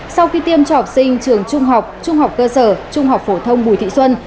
sau khi tiêm cho học sinh trường trung học trung học cơ sở trung học phổ thông bùi thị xuân